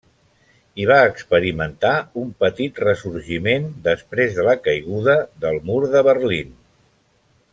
I va experimentar un petit ressorgiment després de la caiguda del mur de Berlín.